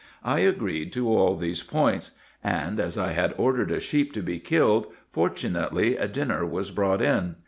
I agreed to all these points; and as I had ordered a sheep to be killed, fortunately dinner was brought in.